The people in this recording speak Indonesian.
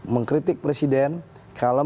mengkritik presiden kalau